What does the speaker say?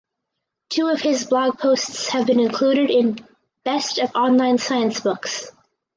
Two of his blog posts have been included in "best of online science" books.